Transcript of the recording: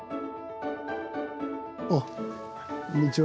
あっこんにちは。